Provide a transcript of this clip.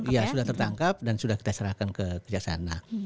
ya sudah tertangkap dan sudah kita serahkan ke kerjasama